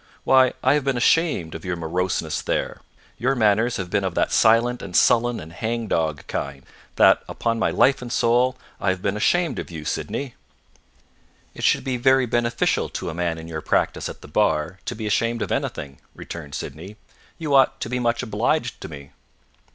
Why, I have been ashamed of your moroseness there! Your manners have been of that silent and sullen and hangdog kind, that, upon my life and soul, I have been ashamed of you, Sydney!" "It should be very beneficial to a man in your practice at the bar, to be ashamed of anything," returned Sydney; "you ought to be much obliged to me."